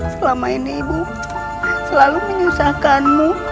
selama ini ibu selalu menyusahkanmu